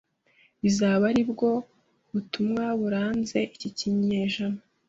bizaba ari bwo butumwa buranze iki kinyejana